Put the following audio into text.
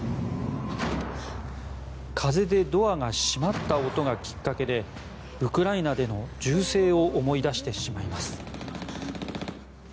風でドアが閉まった音がきっかけでウクライナでの銃声を思い出してしまいます。